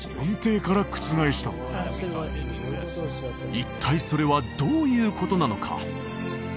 一体それはどういうことなのか？